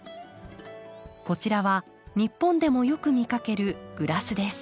こちらは日本でもよく見かけるグラスです。